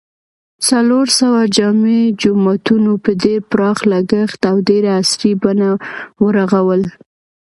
څلورسوه جامع جوماتونه په ډېر پراخ لګښت او ډېره عصري بڼه و رغول